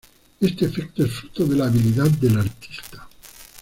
Este efecto es fruto de la habilidad del artista.